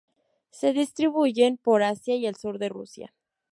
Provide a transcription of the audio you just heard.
Se distribuyen por Asia y el sur de Rusia.